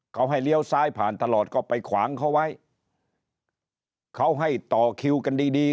เขาให้เลี้ยวซ้ายผ่านตลอดก็ไปขวางเขาไว้เขาให้ต่อคิวกันดีดี